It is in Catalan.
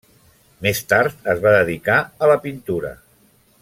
Més tard es va dedicar a la pintura.